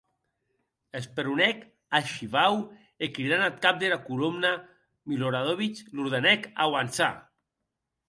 Esperonèc ath shivau e cridant ath cap dera colomna, Miloradovic, l’ordenèc auançar.